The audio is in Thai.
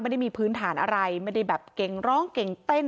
ไม่ได้มีพื้นฐานอะไรไม่ได้แบบเก่งร้องเก่งเต้น